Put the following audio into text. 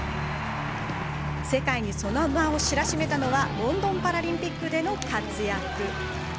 世界にその名を知らしめたのはロンドンパラリンピックでの活躍。